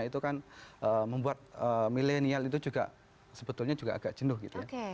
itu kan membuat milenial itu juga sebetulnya juga agak jenuh gitu ya